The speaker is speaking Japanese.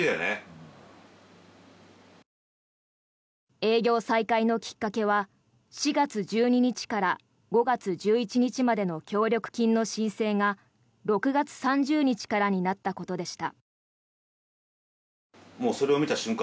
営業再開のきっかけは４月１２日から５月１１日までの協力金の申請が６月３０日からになったことでした。